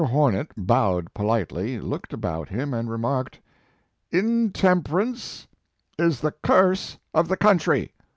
Hornet bowed politely, looked about him, and remarked: "Intemper ance is the curse of the country."